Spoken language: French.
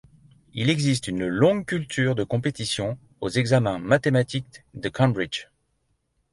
Il existe une longue culture de compétition aux examens mathématiques de Cambridge.